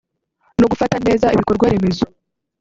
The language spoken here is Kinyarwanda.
no Gufata neza ibikorwa-remezo